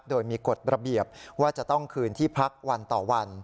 โดยมีกฎระเบียบว่าจะต้องคืนที่พักวันต่อวัน